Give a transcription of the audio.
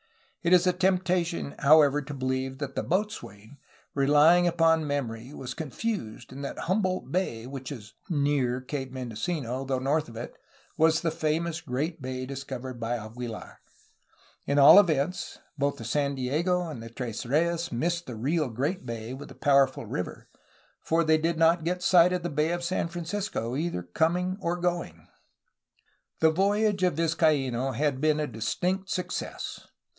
It is a tempta tion, however, to believe that the boatswain, relying upon memory, was confused and that Humboldt Bay, which is *'near^* Cape Mendocino, though north of it, was the famous great bay discovered by Aguilar. At all events, both the San Diego and the Tres Reyes missed the real great bay with the powerful river, for they did not get sight of the Bay of San Francisco, either going or coming. The voyage of Vizcaino had been a distinct success.